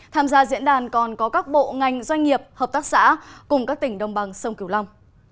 tham gia diễn đàn còn có các bộ ngành doanh nghiệp hợp tác xã cùng các tỉnh đồng bằng sông kiều long